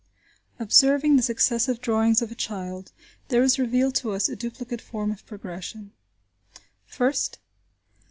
Observing the successive drawings of a child, there is revealed to us a duplicate form of progression: First.